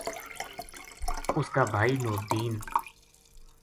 اس کا بھائی نوردین